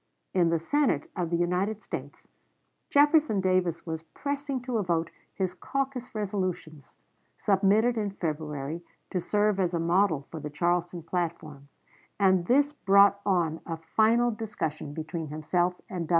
In the Senate of the United States, Jefferson Davis was pressing to a vote his caucus resolutions, submitted in February, to serve as a model for the Charleston platform; and this brought on a final discussion between himself and Douglas.